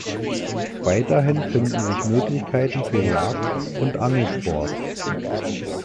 Weiterhin finden sich Möglichkeiten für Jagd und Angelsport.